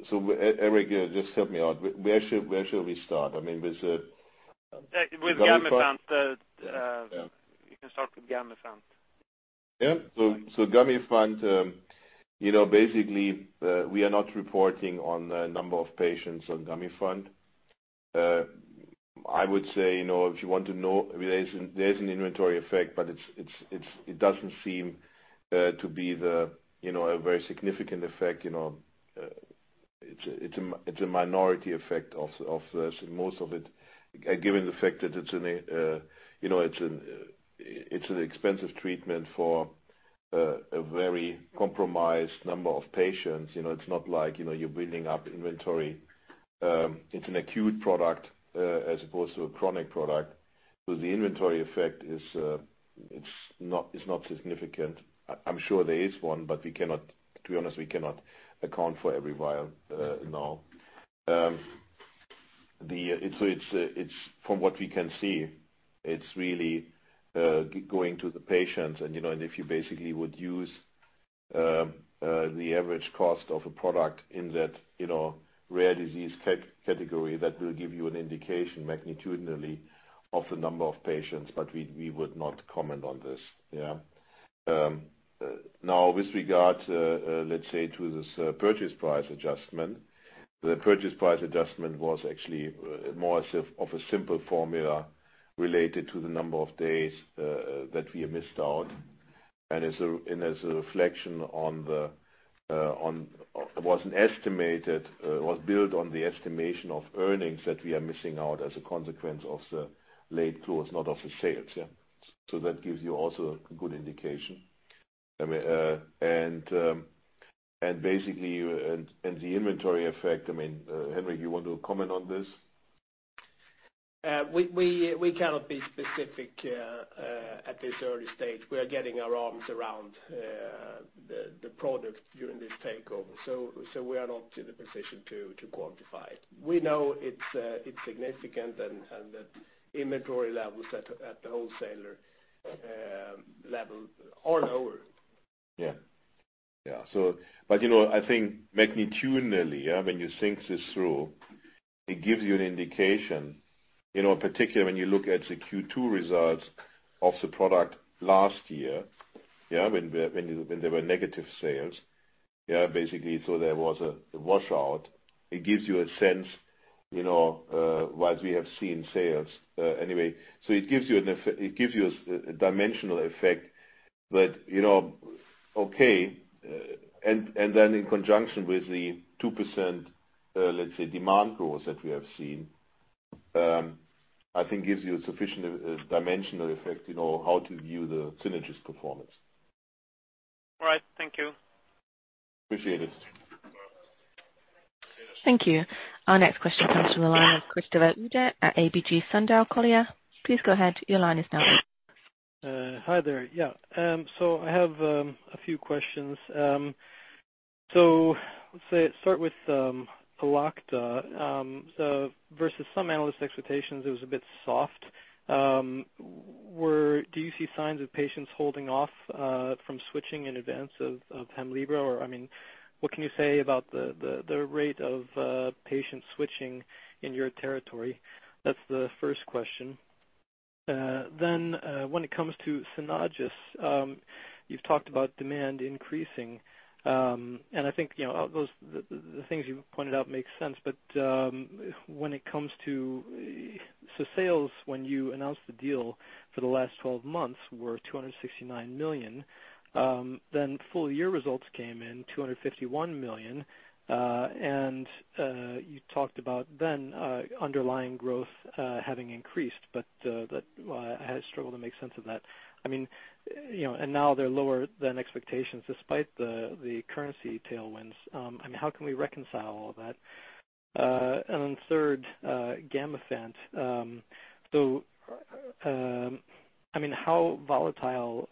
just help me out. Where shall we start? I mean, With Gamifant. Yeah. You can start with Gamifant. Yeah. Gamifant, basically, we are not reporting on the number of patients on Gamifant. I would say, if you want to know, there's an inventory effect, but it doesn't seem to be a very significant effect. It's a minority effect of this. Given the fact that it's an expensive treatment for a very compromised number of patients. It's not like you're building up inventory. It's an acute product as opposed to a chronic product. The inventory effect is not significant. I'm sure there is one, but to be honest, we cannot account for every vial now. From what we can see, it's really going to the patients, and if you basically would use the average cost of a product in that rare disease category, that will give you an indication magnitudinally of the number of patients. But we would not comment on this. Yeah. Now, with regard to, let's say, to this purchase price adjustment, the purchase price adjustment was actually more of a simple formula related to the number of days that we missed out. As a reflection, it was built on the estimation of earnings that we are missing out as a consequence of the late close, not of the sales, yeah. That gives you also a good indication. The inventory effect, Henrik, you want to comment on this? We cannot be specific at this early stage. We are getting our arms around the product during this takeover. We are not in the position to quantify it. We know it's significant, and that inventory levels at the wholesaler level are lower. Yeah. I think magnitudinally, yeah, when you think this through, it gives you an indication, in particular, when you look at the Q2 results of the product last year, yeah, when there were negative sales. Yeah. Basically, there was a washout. It gives you a sense, what we have seen sales. Anyway, it gives you a dimensional effect, that, okay. Then in conjunction with the 2%, let's say, demand growth that we have seen, I think gives you a sufficient dimensional effect in how to view the Synagis performance. All right. Thank you. Appreciate it. Thank you. Our next question comes from the line of Christopher at ABG Sundal Collier. Please go ahead. Your line is now open. Hi there. I have a few questions. Let's start with Elocta. Versus some analyst expectations, it was a bit soft. Do you see signs of patients holding off from switching in advance of Hemlibra? Or what can you say about the rate of patients switching in your territory? That's the first question. When it comes to Synagis, you've talked about demand increasing. I think the things you pointed out make sense. When it comes to sales, when you announced the deal for the last 12 months were 269 million. Full year results came in 251 million. You talked about then underlying growth having increased. I struggle to make sense of that. Now they're lower than expectations despite the currency tailwinds. How can we reconcile all that? Third, Gamifant. How volatile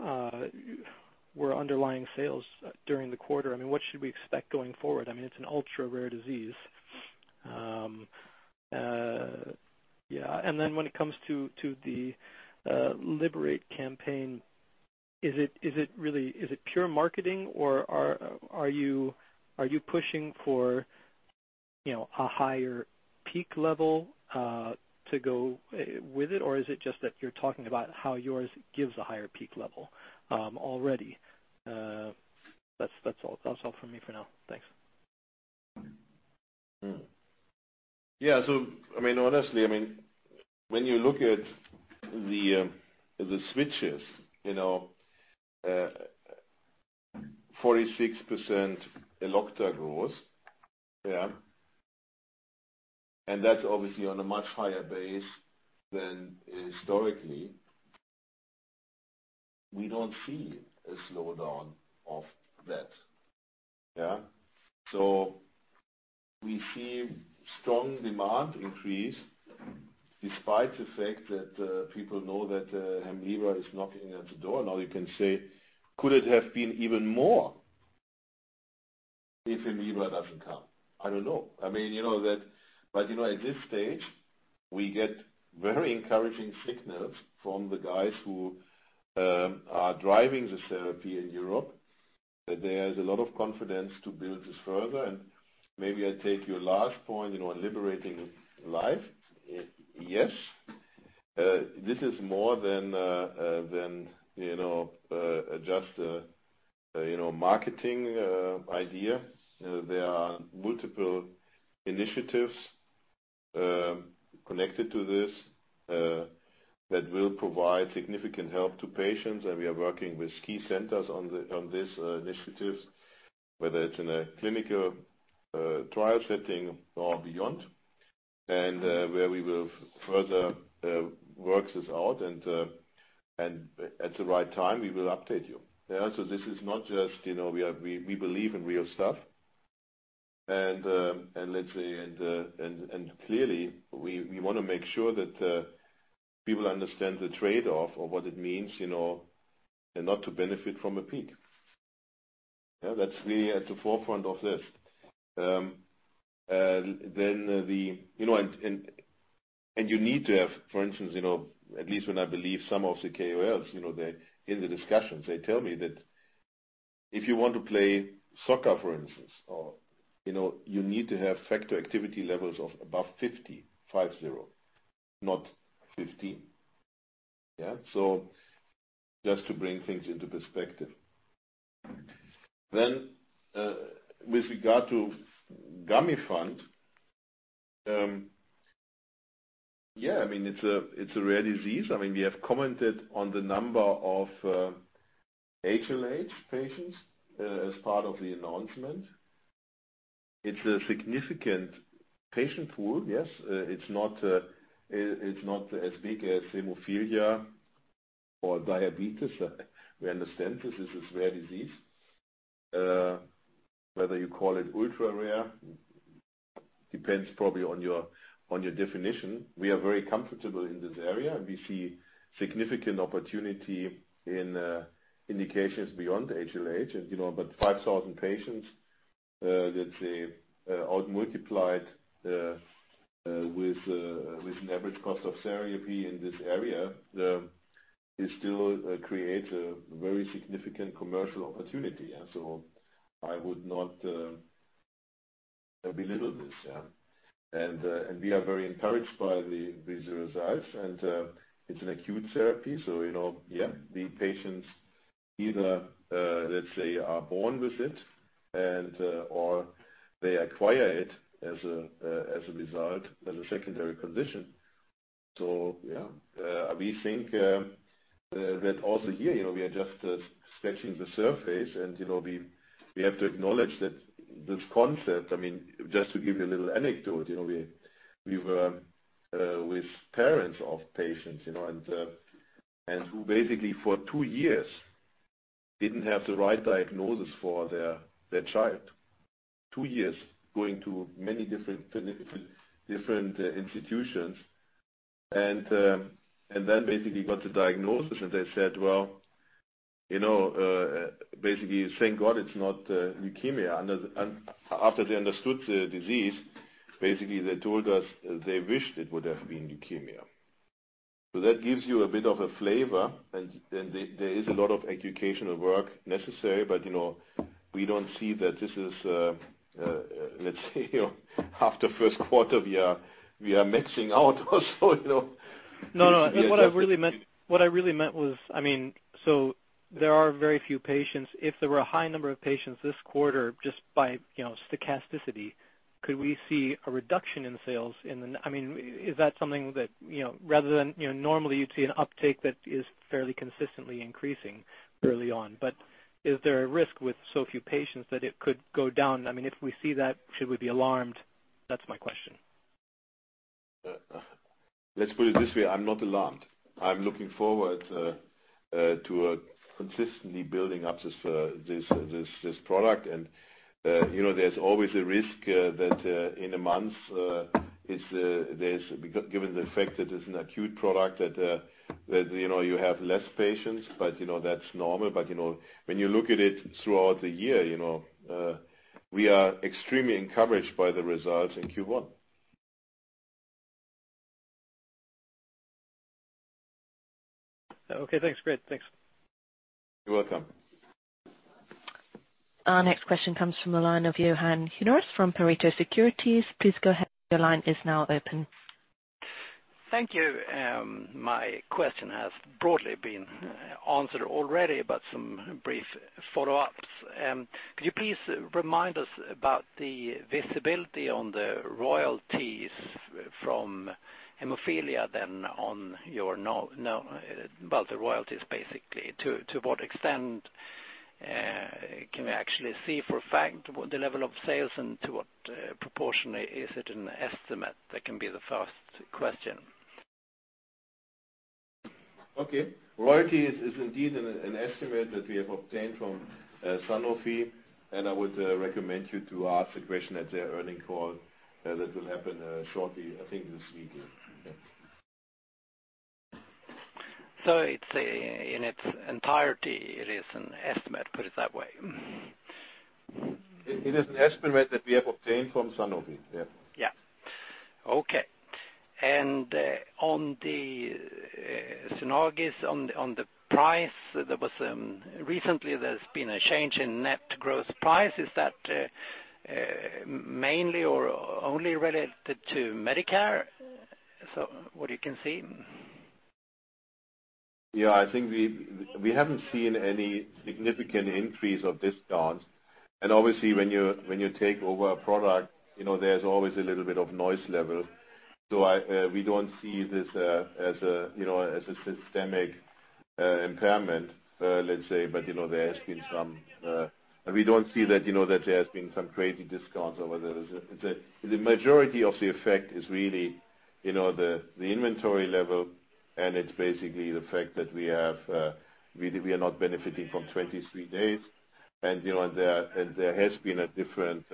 were underlying sales during the quarter? What should we expect going forward? It's an ultra rare disease. When it comes to the Liberate campaign, is it pure marketing, or are you pushing for a higher peak level to go with it? Is it just that you're talking about how yours gives a higher peak level already? That's all from me for now. Thanks. Honestly, when you look at the switches, 46% Elocta growth. That's obviously on a much higher base than historically. We don't see a slowdown of that. We see strong demand increase despite the fact that people know that Hemlibra is knocking at the door. You can say, could it have been even more if Hemlibra doesn't come? I don't know. At this stage, we get very encouraging signals from the guys who are driving the therapy in Europe, that there is a lot of confidence to build this further. Maybe I take your last point on Liberating Life. Yes. This is more than just a marketing idea. There are multiple initiatives connected to this that will provide significant help to patients, and we are working with key centers on these initiatives, whether it's in a clinical trial setting or beyond. Where we will further work this out and at the right time, we will update you. This is not just, we believe in real stuff and clearly we want to make sure that people understand the trade-off of what it means, and not to benefit from a peak. That's really at the forefront of this. You need to have, for instance, at least when I believe some of the KOLs, in the discussions, they tell me that if you want to play soccer, for instance, you need to have factor activity levels of above 50, five, zero, not 15. Just to bring things into perspective. With regard to Gamifant, it's a rare disease. We have commented on the number of HLH patients as part of the announcement. It's a significant patient pool, yes. It's not as big as hemophilia or diabetes. We understand this. This is a rare disease. Whether you call it ultra-rare, depends probably on your definition. We are very comfortable in this area, and we see significant opportunity in indications beyond HLH. 5,000 patients, let's say, out multiplied with an average cost of therapy in this area, it still creates a very significant commercial opportunity. I would not belittle this. We are very encouraged by these results, and it's an acute therapy. The patients either, let's say, are born with it and/or they acquire it as a result, as a secondary condition. No, no. What I really meant was, there are very few patients. If there were a high number of patients this quarter, just by stochasticity, could we see a reduction in sales? Is that something that rather than normally you'd see an uptake that is fairly consistently increasing early on, but is there a risk with so few patients that it could go down? If we see that, should we be alarmed? That's my question. We think that also here, we are just scratching the surface and we have to acknowledge that this concept, just to give you a little anecdote. We were with parents of patients, and who basically for two years didn't have the right diagnosis for their child. Two years going to many different institutions and then basically got the diagnosis, and they said, "Well, basically, thank God it's not leukemia." After they understood the disease, basically they told us they wished it would have been leukemia. That gives you a bit of a flavor and there is a lot of educational work necessary, but we don't see that this is, let's say, half the first quarter we are maxing out also. Let's put it this way. I'm not alarmed. I'm looking forward to consistently building up this product, there's always a risk that in a month, given the fact that it's an acute product that you have less patients, but that's normal. When you look at it throughout the year, we are extremely encouraged by the results in Q1. Okay, thanks. Great. Thanks. You're welcome. Our next question comes from the line of Johan Hynors from Pareto Securities. Please go ahead, your line is now open. Thank you. My question has broadly been answered already, but some brief follow-ups. Could you please remind us about the visibility on the royalties from hemophilia? About the royalties, basically, to what extent can we actually see for a fact what the level of sales and to what proportion is it an estimate? That can be the first question. Okay. Royalty is indeed an estimate that we have obtained from Sanofi, and I would recommend you to ask the question at their earnings call that will happen shortly, I think this week. In its entirety, it is an estimate, put it that way. It is an estimate that we have obtained from Sanofi. Yeah. Yeah. Okay. On the Synagis, on the price, recently there's been a change in gross-to-net price. Is that mainly or only related to Medicare? I think we haven't seen any significant increase of discounts. Obviously when you take over a product, there's always a little bit of noise level. So we don't see this as a systemic impairment, let's say, but there has been some. We don't see that there has been some crazy discounts over there. The majority of the effect is really the inventory level and it's basically the fact that we are not benefiting from 23 days. There has been a different,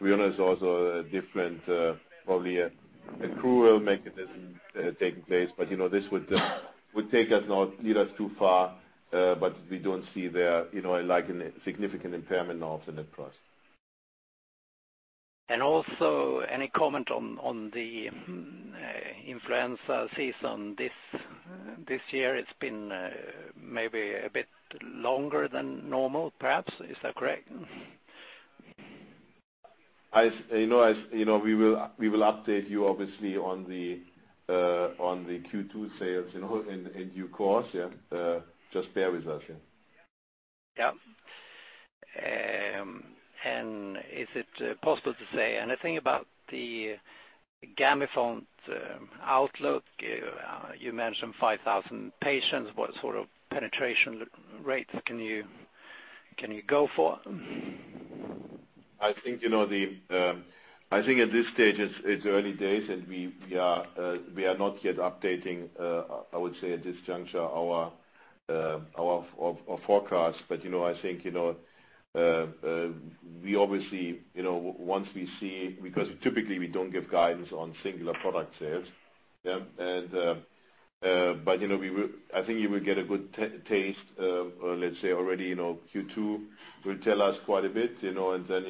we know there's also a different, probably an accrual mechanism taking place, but this would take us now, lead us too far, but we don't see there a significant impairment of the net price. Also, any comment on the influenza season this year? It's been maybe a bit longer than normal, perhaps. Is that correct? We will update you obviously on the Q2 sales in due course. Just bear with us. Is it possible to say anything about the GAMIFANT outlook? You mentioned 5,000 patients. What sort of penetration rates can you go for? I think at this stage it's early days. We are not yet updating, I would say at this juncture, our forecasts. I think we obviously, once we see, because typically we don't give guidance on singular product sales. I think you will get a good taste, let's say already Q2 will tell us quite a bit, and then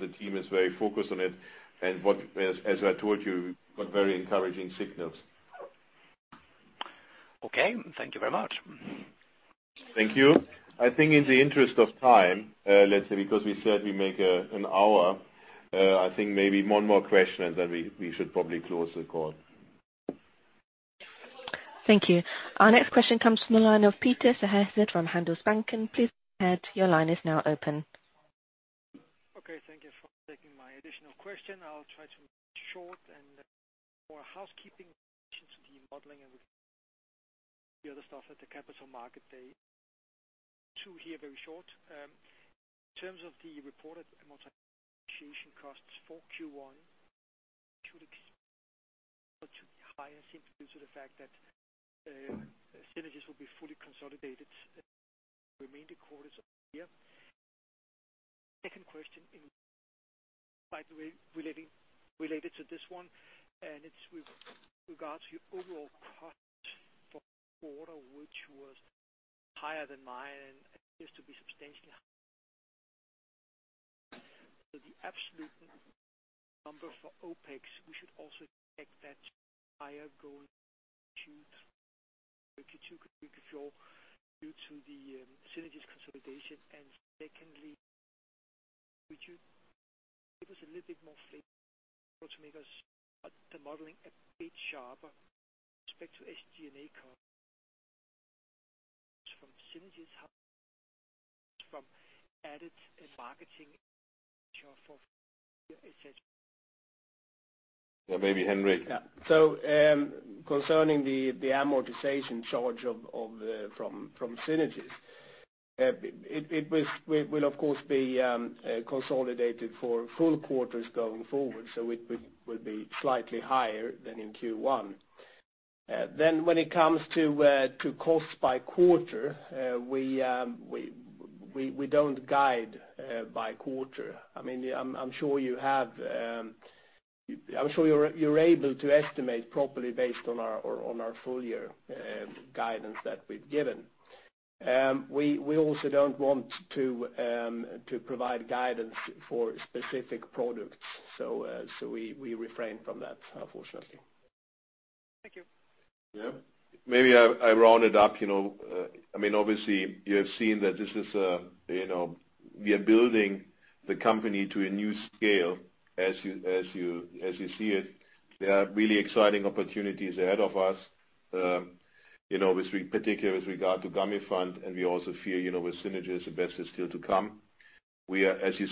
the team is very focused on it and as I told you, got very encouraging signals. Okay. Thank you very much. Thank you. I think in the interest of time, let's say because we said we make an hour, I think maybe one more question and then we should probably close the call. Thank you. Our next question comes from the line of Peter Verdult from Handelsbanken. Please go ahead. Your line is now open. Okay. Thank you for taking my additional question. I'll try to make it short and more housekeeping in relation to the modeling and the other stuff at the Capital Market Day. Two here, very short. In terms of the reported amortization costs for Q1, should it be higher simply due to the fact that Synagis will be fully consolidated for the remainder quarters of the year? Second question, slightly related to this one, and it is with regards to your overall cost for the quarter, which was higher than mine and appears to be substantially higher. The absolute number for OPEX, we should also expect that higher going into Q2, because we control due to the Synagis consolidation and secondly, could you give us a little bit more flavor to make us the modeling a bit sharper with respect to SG&A costs from Synagis, from added marketing, et cetera. Maybe Henrik. Concerning the amortization charge from Synagis. It will of course be consolidated for full quarters going forward, so it will be slightly higher than in Q1. When it comes to cost by quarter, we don't guide by quarter. I am sure you are able to estimate properly based on our full year guidance that we have given. We also don't want to provide guidance for specific products. We refrain from that, unfortunately. Thank you. Yeah. Maybe I round it up. Obviously you have seen that we are building the company to a new scale as you see it. There are really exciting opportunities ahead of us, particularly with regard to Gamifant. We also feel with Synagis the best is still to come. As you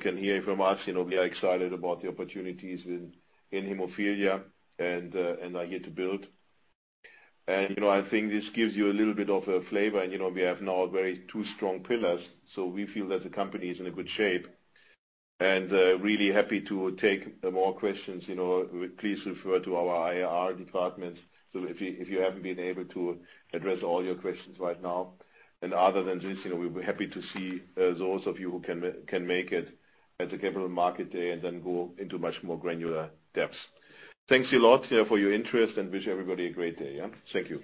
can hear from us, we are excited about the opportunities in hemophilia and are here to build. I think this gives you a little bit of a flavor. We have now two very strong pillars. We feel that the company is in a good shape and really happy to take more questions. Please refer to our IR department. If you haven't been able to address all your questions right now and other than this, we'll be happy to see those of you who can make it at the Capital Market Day. Then go into much more granular depths. Thanks a lot for your interest. Wish everybody a great day. Thank you.